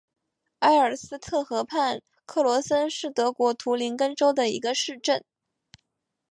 埃尔斯特河畔克罗森是德国图林根州的一个市镇。